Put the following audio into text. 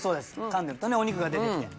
かんでるとねお肉が出てきて。